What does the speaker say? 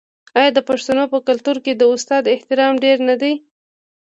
آیا د پښتنو په کلتور کې د استاد احترام ډیر نه دی؟